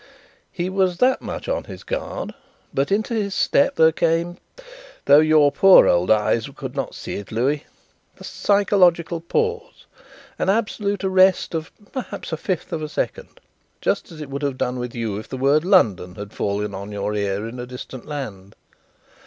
"He was that much on his guard; but into his step there came though your poor old eyes could not see it, Louis the 'psychological pause,' an absolute arrest of perhaps a fifth of a second; just as it would have done with you if the word 'London' had fallen on your ear in a distant land.